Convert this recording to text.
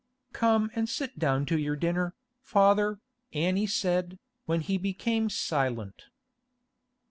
'Come and sit down to your dinner, father,' Annie said, when he became silent.